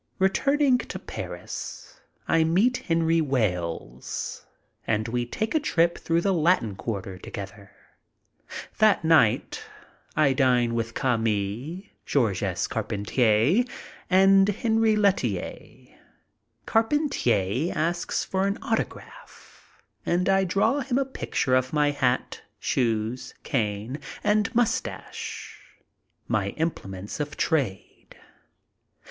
Returning to Paris, I meet Henry Wales, and we take a trip through the Latin Quarter together. That night I dine with Cami, Georges Carpentier, and Henri LeteUier. Carpentier asks for an autograph and I draw him a picture of my hat, shoes, cane, and mustache, my implements of trade.